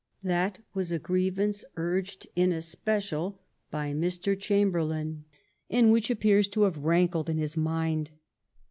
That w^as a grievance urged in especial by Mr. Chamberlain and which appears to have rankled in his mind.